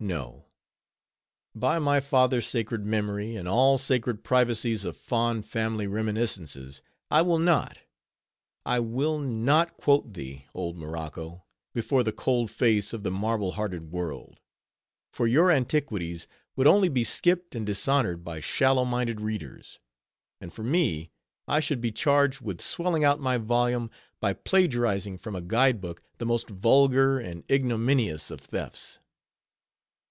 No! by my father's sacred memory, and all sacred privacies of fond family reminiscences, I will not! I will not quote thee, old Morocco, before the cold face of the marble hearted world; for your antiquities would only be skipped and dishonored by shallow minded readers; and for me, I should be charged with swelling out my volume by plagiarizing from a guide book the most vulgar and ignominious of thefts!